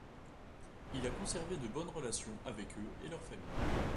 Il a conservé de bonnes relations avec eux et leurs familles.